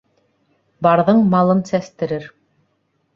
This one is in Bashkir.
Барҙың малын сәстерер